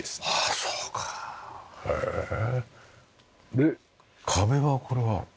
で壁はこれは？